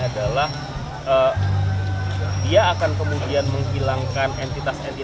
bahkan awal karta europki sama seperti apa lagi